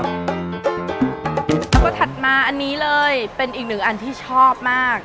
แล้วก็ถัดมาอันนี้เลยเป็นอีกหนึ่งอันที่ชอบมาก